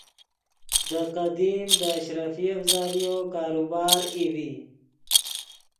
دے قدیم دے اشرفیف ذریعو کاروبار ای ڤی